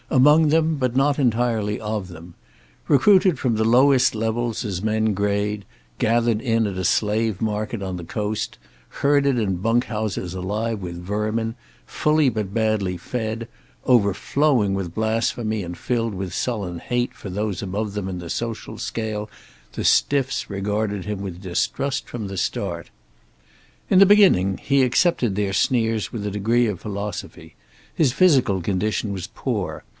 Among them, but not entirely of them. Recruited from the lowest levels as men grade, gathered in at a slave market on the coast, herded in bunk houses alive with vermin, fully but badly fed, overflowing with blasphemy and filled with sullen hate for those above them in the social scale, the "stiffs" regarded him with distrust from the start. In the beginning he accepted their sneers with a degree of philosophy. His physical condition was poor.